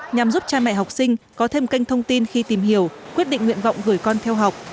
nhằm giúp cha mẹ học sinh có thêm kênh thông tin khi tìm hiểu quyết định nguyện vọng gửi con theo học